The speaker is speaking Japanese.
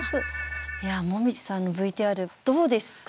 もみじさんのＶＴＲどうですか？